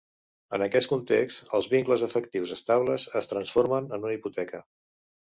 En aquest context els vincles afectius estables es transformen en una hipoteca.